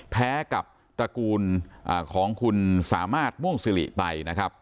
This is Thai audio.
แพ้กับตระกูลของคุณสามารถม่วงสิริไปนะครับ